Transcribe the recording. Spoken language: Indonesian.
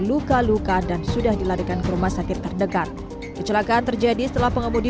luka luka dan sudah dilarikan ke rumah sakit terdekat kecelakaan terjadi setelah pengemudi